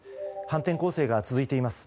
反転攻勢が続いています。